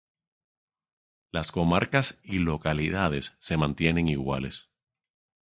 Las comarcas y localidades se mantienen iguales.